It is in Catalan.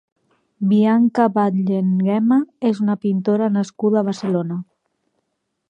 Bianca Batlle Nguema és una pintora nascuda a Barcelona.